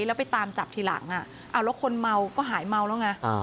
แล้วไปตามจับทีหลังเอาแล้วคนเมาก็หายเมาแล้วไง